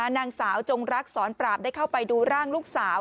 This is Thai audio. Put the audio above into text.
นางสาวจงรักษรปราบได้เข้าไปดูร่างลูกสาว